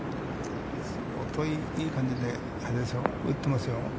いい感じで打ってますよ。